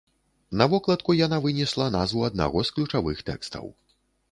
На вокладку яна вынесла назву аднаго з ключавых тэкстаў.